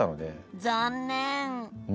残念。